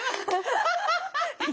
アハハハハ。